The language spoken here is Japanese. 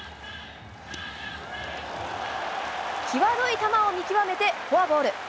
きわどい球を見極めてフォアボール。